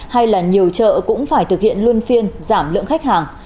hay là nhiều chợ cũng phải thực hiện luôn phiên giảm lượng khách hàng